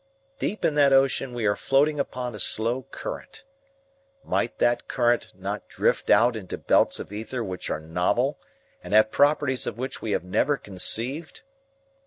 Deep in that ocean we are floating upon a slow current. Might that current not drift us into belts of ether which are novel and have properties of which we have never conceived?